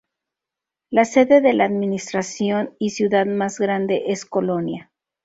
La sede de la administración y ciudad más grande es Colonia.